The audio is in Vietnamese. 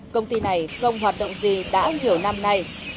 công ty này không hoạt động gì đã nhiều năm nay